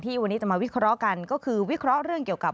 วันนี้จะมาวิเคราะห์กันก็คือวิเคราะห์เรื่องเกี่ยวกับ